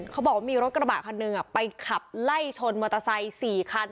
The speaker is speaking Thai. เขาบอกว่ามีรถกระบะคันหนึ่งไปขับไล่ชนมอเตอร์ไซค์๔คัน